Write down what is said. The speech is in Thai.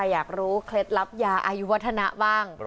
อยากรู้เคล็ดลับยาอายุวัฒนะบ้าง